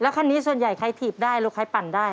คันนี้ส่วนใหญ่ใครถีบได้ลูกใครปั่นได้